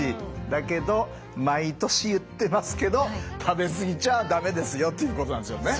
だけど毎年言ってますけど食べ過ぎちゃ駄目ですよということなんですよね。